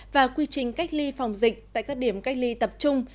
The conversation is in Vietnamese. và quy trình cách ly phòng dịch tại các điểm cách ly tập trung